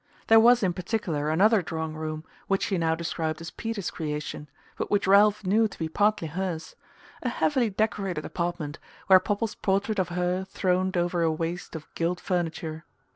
There was, in particular, another drawing room, which she now described as Peter's creation, but which Ralph knew to be partly hers: a heavily decorated apartment, where Popple's portrait of her throned over a waste of gilt furniture.